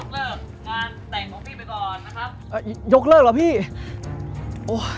ขอยกเลิกงานแต่งของพี่ไปก่อนนะครับ